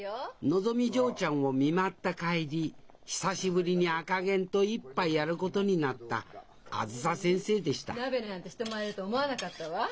のぞみ嬢ちゃんを見舞った帰り久しぶりに赤ゲンと一杯やることになったあづさ先生でした鍋なんてしてもらえると思わなかったわ。